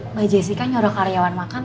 mbak jessica nyaruh karyawan makan